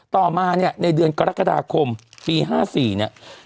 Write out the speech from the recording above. ต่อมาเนี่ยในเดือนกรกฎาคมปี๕๔เนี่ย